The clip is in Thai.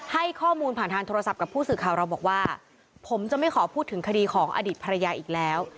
ให้ข้อมูลผ่านทางโทรศัพท์กับผู้สื่อข่าวเราบอกว่าผมจะไม่ขอพูดถึงคดีของอดีตภรรยาอีกแล้ว